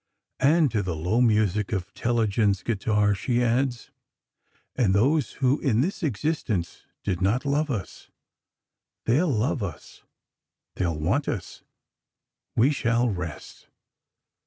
And to the low music of Telegin's guitar, she adds: "And those who in this existence did not love us ... they'll love us ... they'll want us ... we shall rest."